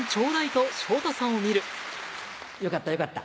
よかったよかった。